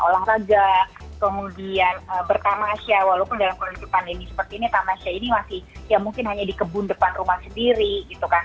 olahraga kemudian bertamasya walaupun dalam kondisi pandemi seperti ini tamasya ini masih ya mungkin hanya di kebun depan rumah sendiri gitu kan